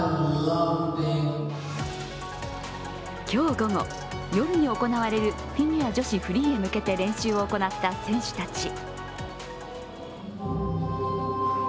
今日午後、夜に行われるフィギュア女子フリーへ向けて練習を行った選手たち。